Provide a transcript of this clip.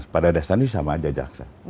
pada dasarnya sama aja jaksa